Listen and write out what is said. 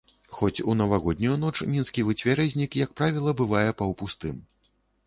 Хоць у навагоднюю ноч мінскі выцвярэзнік, як правіла, бывае паўпустым.